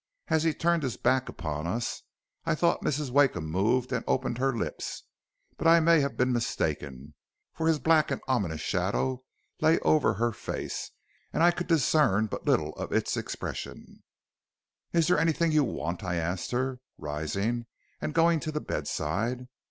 As he turned his back upon us, I thought Mrs. Wakeham moved and opened her lips, but I may have been mistaken, for his black and ominous shadow lay over her face, and I could discern but little of its expression. "'Is there anything you want?' I asked her, rising and going to the bedside.